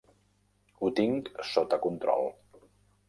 Ho tinc sota control.